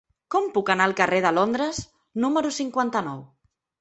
Com puc anar al carrer de Londres número cinquanta-nou?